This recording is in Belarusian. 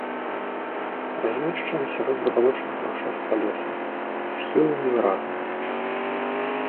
Размешчана сярод забалочанага ўчастка лесу, схілы невыразныя.